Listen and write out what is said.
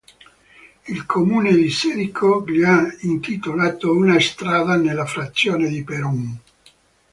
Il comune di Sedico gli ha intitolato una strada nella frazione di Peron.